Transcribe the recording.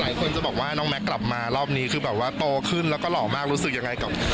หลายคนจะบอกว่าน้องแมคกลับมารอบนี้โตขึ้นแล้วก็หลอบมากรู้สึกอย่างไรมาก